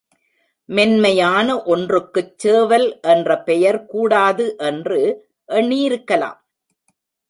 மென்மையான ஒன்றுக்குச் சேவல் என்ற பெயர் கூடாது என்று எண்ணியிருக்கலாம்.